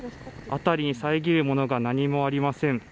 辺りに遮るものが何もありません。